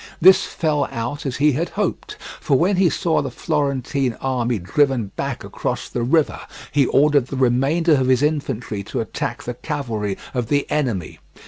This fell out as he had hoped, for when he saw the Florentine army driven back across the river he ordered the remainder of his infantry to attack the cavalry of the enemy.